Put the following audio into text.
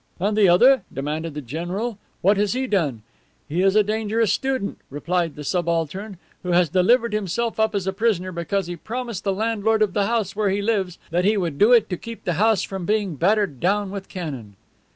"'And the other,' demanded the general; 'what has he done?' "'He is a dangerous student,' replied the subaltern, 'who has delivered himself up as a prisoner because he promised the landlord of the house where he lives that he would do it to keep the house from being battered down with cannon.